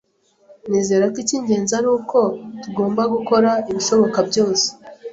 Nizera ko icy'ingenzi ari uko tugomba gukora ibishoboka byose.